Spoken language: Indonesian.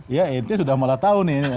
ya intinya sudah malah tahu nih